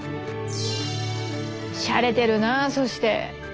しゃれてるなそして。